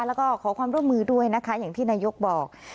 แล้วก็ขอความร่วมมือด้วยนะคะอย่างที่นายกบอก